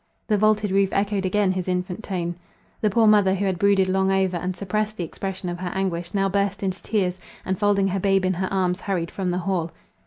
The vaulted roof echoed again his infant tone. The poor mother who had brooded long over, and suppressed the expression of her anguish, now burst into tears, and folding her babe in her arms, hurried from the hall.